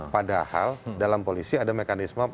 padahal dalam polisi ada mekanisme